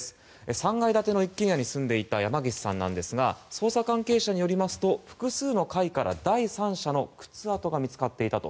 ３階建ての一軒家に住んでいた山岸さんなんですが捜査関係者によりますと複数の階から第三者の靴跡が見つかっていたと。